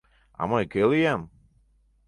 — А мый кӧ лиям?